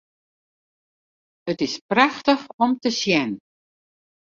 It is prachtich om te sjen.